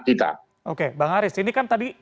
kita oke bang aris ini kan tadi